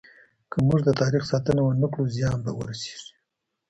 که موږ د تاريخ ساتنه ونه کړو، زيان به رسيږي.